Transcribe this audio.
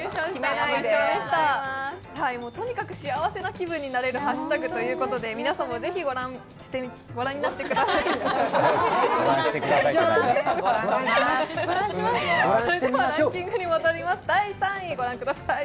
とにかく幸せな気分になれるハッシュタグということで、皆さんもぜひご覧してご覧になってみてください。